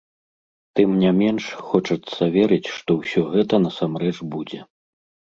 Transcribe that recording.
Тым не менш, хочацца верыць, што ўсё гэта насамрэч будзе.